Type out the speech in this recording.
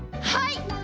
はい！